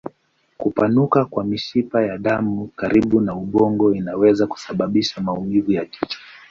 Kupanuka kwa mishipa ya damu karibu na ubongo inaweza kusababisha maumivu ya kichwa.